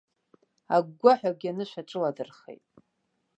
Агәгәаҳәагьы анышә аҿыладырхеит.